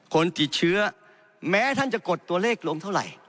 คนติดเชื้อแม้ท่านจะกดตัวเลขลงเท่าไหร่